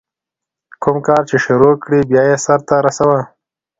کوم کار چي شروع کړې، بیا ئې سر ته رسوه.